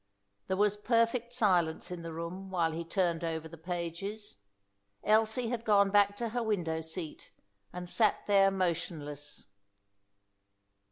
There was perfect silence in the room while he turned over the pages. Elsie had gone back to her window seat and sat there motionless.